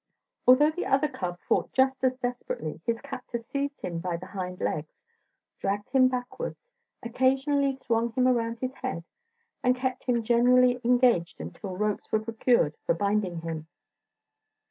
Although the other cub fought just as desperately, his captor seized him by the hind legs, dragged him backwards, occasionally swung him around his head, and kept him generally engaged until ropes were procured for binding him.